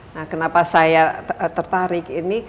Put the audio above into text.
nah kenapa saya tertarik ini